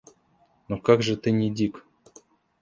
Ну как же ты не дик?